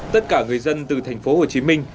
tất cả người dân từ thành phố hồ chí minh